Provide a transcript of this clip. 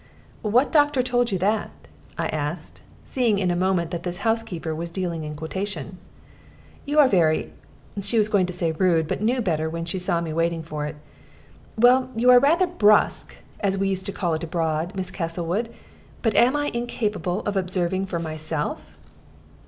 "What doctor told you that?" I asked, seeing in a moment that this housekeeper was dealing in quotation. "You are very" she was going to say "rude," but knew better when she saw me waiting for it "well, you are rather brusque, as we used to call it abroad, Miss Castlewood; but am I incapable of observing for myself?"